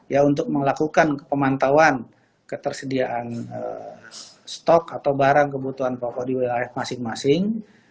ya untuk melakukan pemantauan ketersediaan stok atau barang kebutuhan pokok di wilayah masing masing